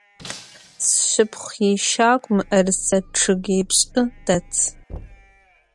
Sşşıpxhu yişagu mı'erıse ççıgipş' det.